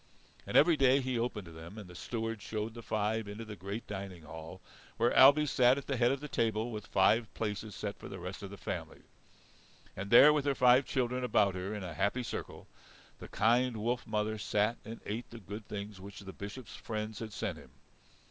And every day he opened to them, and the steward showed the five into the great dining hall where Ailbe sat at the head of the table, with five places set for the rest of the family. And there, with her five children about her in a happy circle, the kind wolf mother sat and ate the good things which the Bishop's friends had sent him.